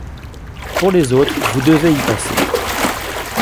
Pour les autres : vous devez y passer.